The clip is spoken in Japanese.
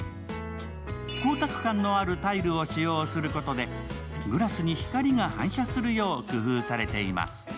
光沢感のあるタイルを使用することで、グラスに光が反射するよう工夫されています。